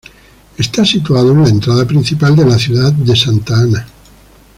Está situado en la entrada principal de la ciudad de Santa Ana.